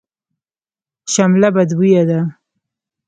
شمله بدبویه ده.